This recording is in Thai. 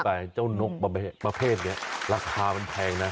ทำเป็นเล่นไปเจ้านกประเภทเนี่ยราคามันแพงนะ